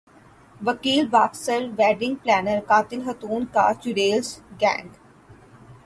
وکیل boxer wedding planner قاتل خاتون کا چڑیلز گینگ